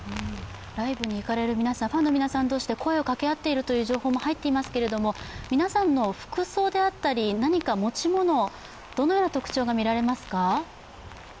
ライブに行かれる皆さん、ファンの皆さん同士で声をかけ合っているという情報も入っていますけれども、皆さんの服装であったり、持ち物、どのような特徴が見られますか？